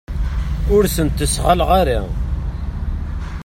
Ur sen-ttesɣaleɣ ara.